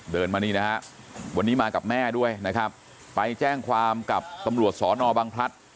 เดินมานี่นะฮะวันนี้มากับแม่ด้วยนะครับไปแจ้งความกับตำรวจสอนอบังพลัด